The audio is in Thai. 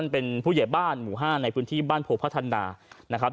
เป็นผู้เหยียบ้านหมู่ห้านในพื้นที่บ้านโผพธนานะครับ